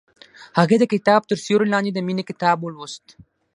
هغې د کتاب تر سیوري لاندې د مینې کتاب ولوست.